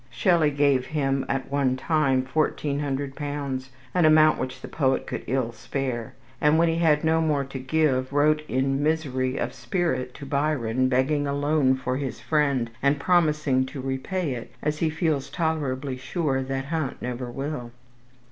Shelley gave him at one time fourteen hundred pounds, an amount which the poet could ill spare; and, when he had no more to give, wrote in misery of spirit to Byron, begging a loan for his friend, and promising to repay it, as he feels tolerably sure that Hunt never will.